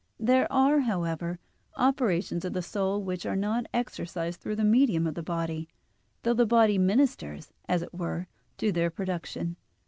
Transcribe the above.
There are, however, operations of the soul, which are not exercised through the medium of the body, though the body ministers, as it were, to their production.